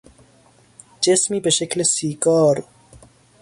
جسمی به شکل سیگار